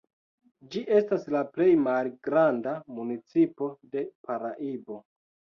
Ĝi estas la plej malgranda municipo de Paraibo.